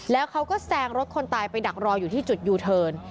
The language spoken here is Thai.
แล้วเขาก็แซงรถคนตายไปดักรออยู่ที่จุดยูเทิร์น